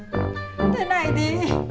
cái gì cái gì